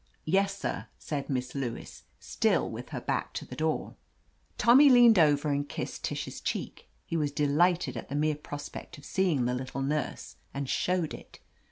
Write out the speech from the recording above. "Yes, sir," said Miss Lewis, still with her back to the door. Tommy leaned over and kissed Tish's cheek. He was delighted at the mere prospect of see ing the Little Nurse, and showed it.